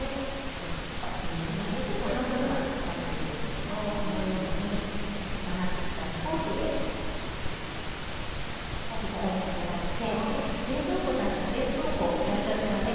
今ねちょっと半分はひっかいてるんですけどこのように固まってきたらフォークでひっかいて頂いて冷凍庫出したてはね